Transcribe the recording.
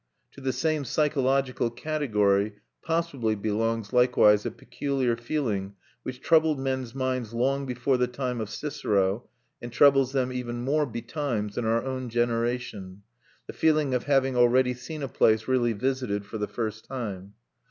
To the same psychological category possibly belongs likewise a peculiar feeling which troubled men's minds long before the time of Cicero, and troubles them even more betimes in our own generation, the feeling of having already seen a place really visited for the first time.